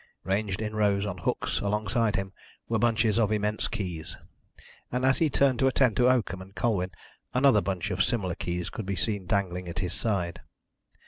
Ranged in rows, on hooks alongside him, were bunches of immense keys, and as he turned to attend to Oakham and Colwyn another bunch of similar keys could be seen dangling at his side.